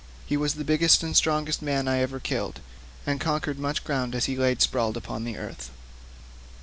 He was the biggest and strongest man that ever I killed, and covered much ground as he lay sprawling upon the earth.